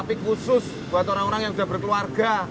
tapi khusus buat orang orang yang sudah berkeluarga